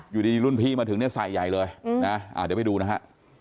อยู่ดีรุ่นพี่มาถึงเนี่ยใส่ใหญ่เลยนะเดี๋ยวไปดูนะฮะ